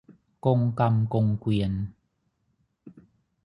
กงกรรมกงเกวียน